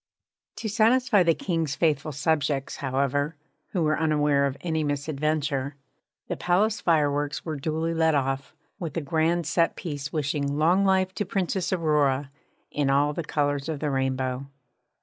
To satisfy the King's faithful subjects, however, who were unaware of any misadventure the palace fireworks were duly let off, with a grand set piece wishing Long Life to the Princess Aurora! in all the colours of the rainbow.